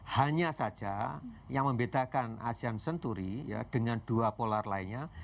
hanya saja yang membedakan asean senturi dengan dua polar lainnya